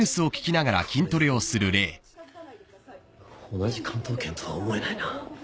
同じ関東圏とは思えないな。